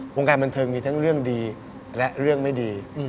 วงการบันเทิงมีทั้งเรื่องดีและเรื่องไม่ดี